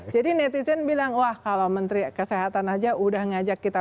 jadi netizen bilang wah kalau menteri kesehatan aja udah ngajak kita